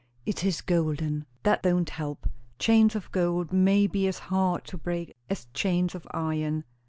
"It is golden!" "That don't help. Chains of gold may be as hard to break as chains of iron."